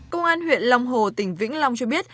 công an huyện long hồ tỉnh vĩnh long cho biết